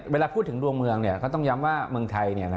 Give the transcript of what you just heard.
เวลาพูดถึงดวงเมืองเขาต้องย้ำว่าเมืองไทย